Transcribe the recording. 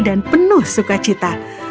dan penuh sukacita